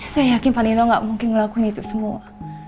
saya yakin pak nino nggak mungkin ngelakuin itu semua